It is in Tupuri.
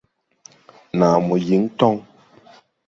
Naa mo yíŋ tɔŋ.